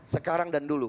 sekarang dan dulu